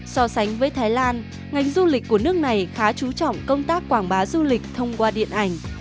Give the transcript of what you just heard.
so sánh với thái lan ngành du lịch của nước này khá chú trọng công tác quảng bá du lịch thông qua điện ảnh